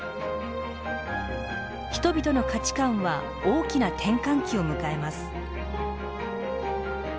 人々の価値観は大きな転換期を迎えます。